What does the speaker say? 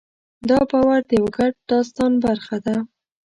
دا باور د یوه ګډ داستان برخه ده.